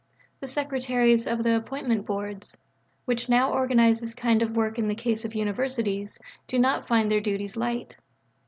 The secretaries of the Appointments Boards, which now organize this kind of work in the case of Universities, do not find their duties light.